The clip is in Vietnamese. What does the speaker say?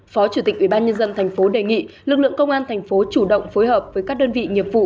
phó chủ tịch ủy ban nhân dân tp hcm đề nghị lực lượng công an tp hcm chủ động phối hợp với các đơn vị nghiệp vụ